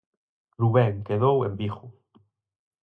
Rubén quedou en Vigo.